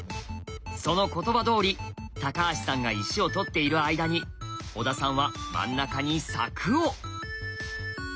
その言葉どおり橋さんが石を取っている間に小田さんは真ん中に柵を。